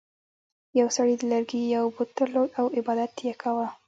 یو سړي د لرګي یو بت درلود او عبادت یې کاوه.